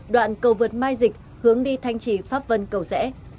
đoạn cầu vượt mai dịch hướng đi thanh trì pháp vân cầu rẽ